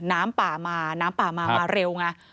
น้ำป่ามาน้ำป่ามามาเร็วไง